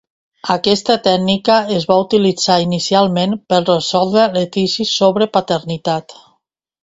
Aquesta tècnica es va utilitzar inicialment per resoldre litigis sobre paternitat.